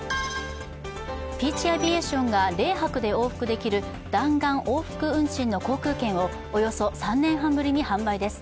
ピーチ・アビエーションが０泊で往復できる弾丸往復運賃の航空券をおよそ３年半ぶりに販売です。